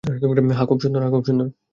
হ্যাঁ, খুব সুন্দর।